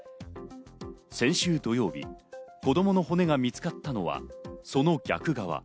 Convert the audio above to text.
先週土曜日、子供の骨が見つかったのは、その逆側。